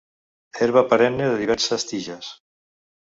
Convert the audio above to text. Herba perenne de diverses tiges.